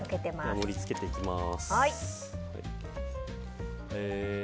盛り付けていきます。